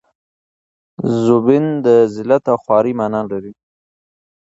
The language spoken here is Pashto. زبون د ذلت او خوارۍ مانا لري.